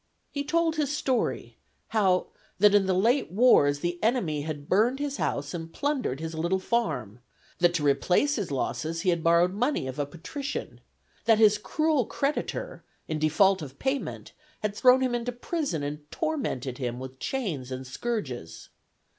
He told his story, how that in the late wars the enemy had burned his house and plundered his little farm; that to replace his losses he had borrowed money of a patrician, that his cruel creditor (in default of payment) had thrown him into prison, and tormented him with chains and scourges.